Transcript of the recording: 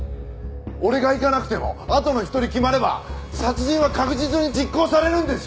俺が行かなくてもあとの１人決まれば殺人は確実に実行されるんですよ！